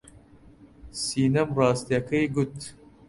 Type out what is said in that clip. سینەم ڕاستییەکەی گوت.